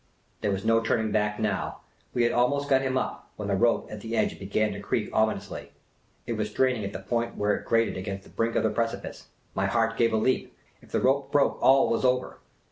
There was no turning back now. We had almost got him up when the rope at the edge began to creak ominously. It was straining at the point where it grated against the brink of the precipice. My heart gave a leap. If the rope broke, all was over.